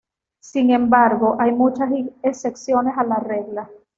Sin embargo, hay muchas excepciones a la regla.